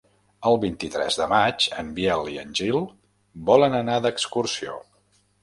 El vint-i-tres de maig en Biel i en Gil volen anar d'excursió.